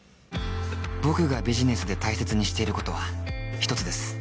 僕がビジネスで大切にしていることは１つです。